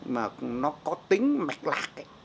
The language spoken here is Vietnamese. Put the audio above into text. mà nó có tính mạch lạc ấy